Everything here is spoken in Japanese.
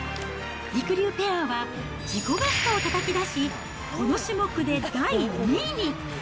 りくりゅうペアは自己ベストをたたき出し、この種目で第２位に。